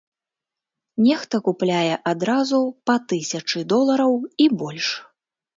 Нехта купляе адразу па тысячы долараў і больш.